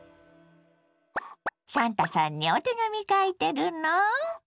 サンタさんにお手紙書いてるの？